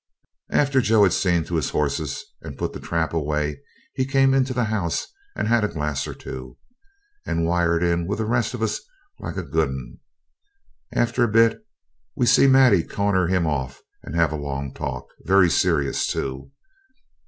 After Joe had seen to his horses and put the trap away he came into the house and had a glass or two, and wired in with the rest of us like a good 'un. After a bit we see Maddie corner him off and have a long talk, very serious too.